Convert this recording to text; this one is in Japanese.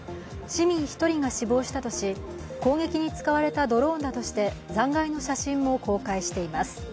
市民１人が死亡したとし攻撃に使われたドローンだとして残骸の写真も公開しています。